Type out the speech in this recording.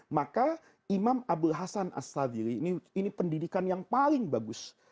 maka imam abdul hasan as sadhili ini pendidikan yang paling bagus